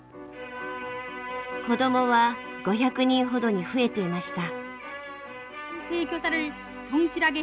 子どもは５００人ほどに増えていました。